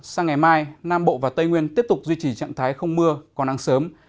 sang ngày mai nam bộ và tây nguyên tiếp tục duy trì trạng thái không mưa còn nắng sớm